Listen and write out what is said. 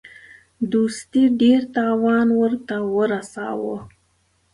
دوستي ډېر تاوان ورته ورساوه.